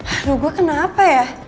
aduh gue kenapa ya